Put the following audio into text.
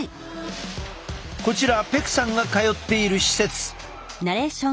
こちらペクさんが通っている施設。